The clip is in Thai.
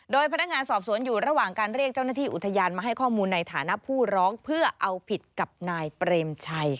โดยพนักงานสอบสวนอยู่ระหว่างการเรียกเจ้าหน้าที่อุทยานมาให้ข้อมูลในฐานะผู้ร้องเพื่อเอาผิดกับนายเปรมชัย